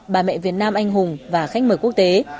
bà mẹ việt nam anh hùng và khách mời quốc tế